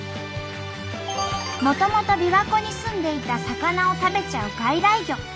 もともとびわ湖に住んでいた魚を食べちゃう外来魚。